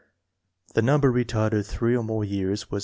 The number retarded three or more years was 2.